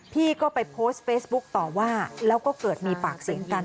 พี่ก็ไปโพสต์เฟซบุ๊กต่อว่าแล้วก็เกิดมีปากเสียงกัน